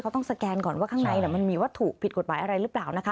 ต้องสแกนก่อนว่าข้างในมันมีวัตถุผิดกฎหมายอะไรหรือเปล่านะคะ